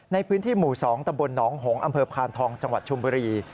ในพื้นที่หมู่๒ตำบลหนองหงษ์อำเภอพานทองจังหวัดชมบุรี